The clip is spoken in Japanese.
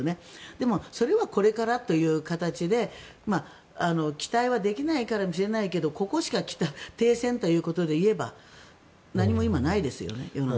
でも、それはこれからという形で期待はできないかもしれないけどここしか停戦ということで言えば何も今ないですよね、世の中に。